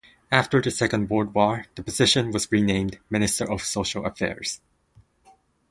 After the Second World War, the position was renamed Minister of Social Affairs.